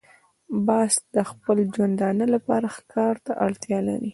باز د خپل ژوندانه لپاره ښکار ته اړتیا لري